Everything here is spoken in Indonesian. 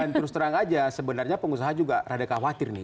terus terang aja sebenarnya pengusaha juga rada khawatir nih